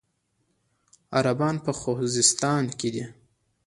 عربان په خوزستان کې دي.